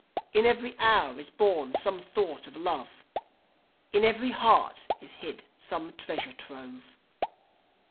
In everv hour is born some thought of love; In every heart is hid some treasure trove.